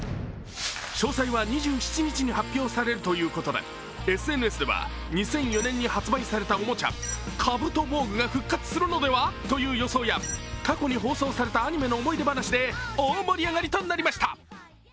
詳細は２７日に発表されるということでＳＮＳでは２００４年に発売されたおもちゃカブトボーグが復活するのでは？という予想や過去に放送されたアニメの思い出話で大盛り上がりとなりました。